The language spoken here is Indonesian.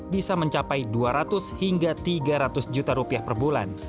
bisa mencapai dua ratus hingga tiga ratus juta rupiah per bulan